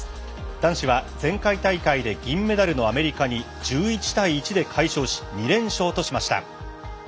男子は前回大会で銀メダルのアメリカに１１対１で快勝し２連勝としました。